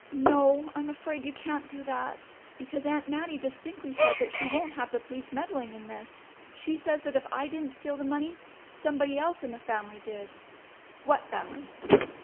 "No, I'm afraid you can't do that. Because Aunt Mattie distinctly said that she won't have the police meddling in this. She says that if I didn't steal the money somebody else in the family did." "What family?"